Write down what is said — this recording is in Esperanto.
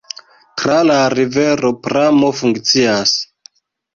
Tra la rivero pramo funkcias.